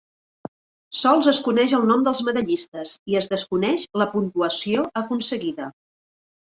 Sols es coneix el nom dels medallistes i es desconeix la puntuació aconseguida.